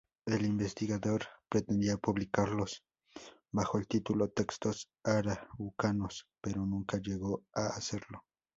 El investigador pretendía publicarlos bajo el título "Textos Araucanos", pero nunca llegó a hacerlo.